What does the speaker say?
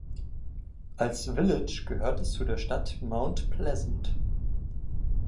Als Village gehört es zu der Stadt Mount Pleasant.